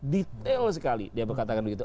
detail sekali dia berkatakan begitu